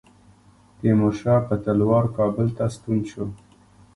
تیمورشاه په تلوار کابل ته ستون شو.